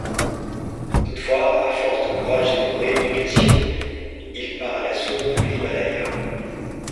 Toutefois, à force de courage et de rééducation, il repart à l'assaut de l'Himalaya.